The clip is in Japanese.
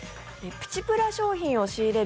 プチプラ商品を仕入れる？